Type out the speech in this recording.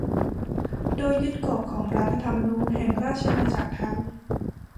โดยยึดกรอบของรัฐธรรมนูญแห่งราชอาณาจักรไทย